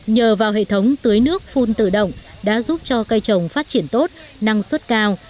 nhờ vào hệ thống tưới nước phun tự động đã giúp cho cây trồng phát triển tốt năng suất cao